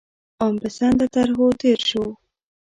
عام پسنده طرحو تېر شو.